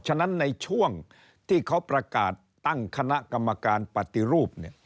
ฉะนั้นในช่วงที่เขาประกาศตั้งคณะกรรมการปฏิรูป